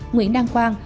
nguyễn đăng khoang